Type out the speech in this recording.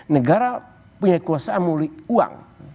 negara punya kekuasaan memiliki uang